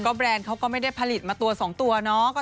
แบรนด์เขาก็ไม่ได้ผลิตมาตัว๒ตัวเนาะ